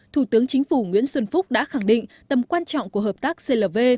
thủ tướng chính phủ nguyễn xuân phúc đã khẳng định tầm quan trọng của hợp tác clv